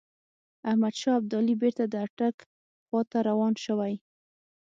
احمدشاه ابدالي بیرته د اټک خواته روان شوی.